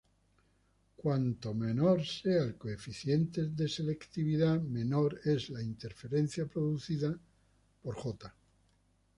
Cuanto menor sea el coeficiente de selectividad, menor es la interferencia producida por "j".